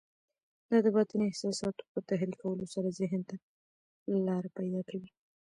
دا د باطني احساساتو په تحريکولو سره ذهن ته لاره پيدا کوي.